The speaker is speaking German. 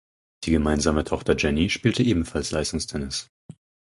Die gemeinsame Tochter Jenny spielte ebenfalls Leistungstennis.